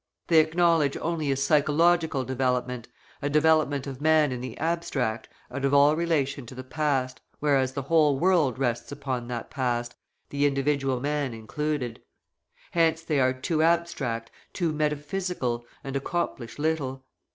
They acknowledge only a psychological development, a development of man in the abstract, out of all relation to the Past, whereas the whole world rests upon that Past, the individual man included. Hence they are too abstract, too metaphysical, and accomplish little.